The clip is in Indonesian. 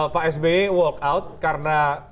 pak sby walk out karena